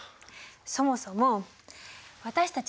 そもそも私たち